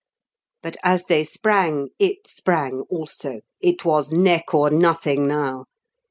But as they sprang it sprang also! It was neck or nothing now.